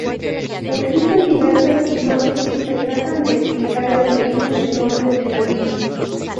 Existen diversas hipótesis que tratan de explicar el origen del nombre de la villa.